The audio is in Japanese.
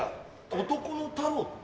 「男のタロット」？